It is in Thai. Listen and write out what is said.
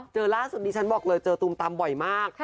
ล่าสุดนี้ฉันบอกเลยเจอตูมตามบ่อยมาก